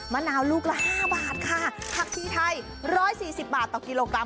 มะนาวลูกละห้าบาทค่ะผักที่ไทยร้อยสี่สิบบาทต่อกิโลกรัม